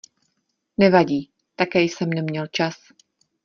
Nevadí - také jsem neměl čas.